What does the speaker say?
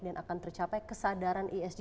dan akan tercapai kesadaran esg